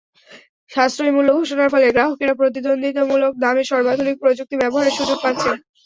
সাশ্রয়ী মূল্য ঘোষণার ফলে গ্রাহকেরা প্রতিদ্বন্দ্বিতামূলক দামে সর্বাধুনিক প্রযুক্তি ব্যবহারের সুযোগ পাচ্ছেন।